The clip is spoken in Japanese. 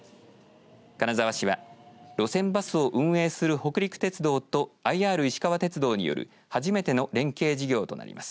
金沢市は路線バスを運営する北陸鉄道とＩＲいしかわ鉄道による初めての連携事業となります。